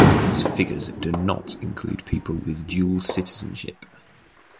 These figures do not include people with dual citizenship.